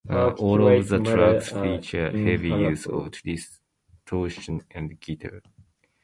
All of the tracks feature heavy use of distortion and guitar.